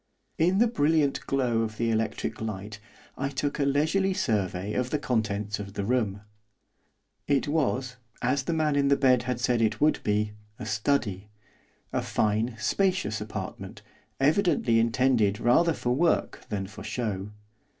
In the brilliant glow of the electric light I took a leisurely survey of the contents of the room. It was, as the man in the bed had said it would be, a study, a fine, spacious apartment, evidently intended rather for work than for show.